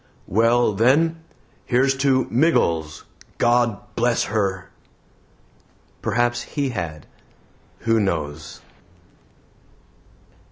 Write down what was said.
"Well, then, here's to MIGGLES. GOD BLESS HER!" Perhaps He had. Who knows?